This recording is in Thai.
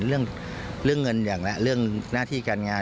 เรื่องเงินอย่างละเรื่องหน้าที่การงาน